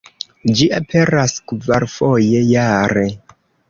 Ĝi aperas kvarfoje jare.